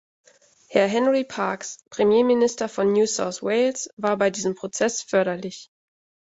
Herr Henry Parkes, Premierminister von New South Wales, war bei diesem Prozess förderlich.